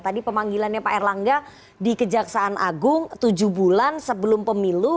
tadi pemanggilannya pak erlangga di kejaksaan agung tujuh bulan sebelum pemilu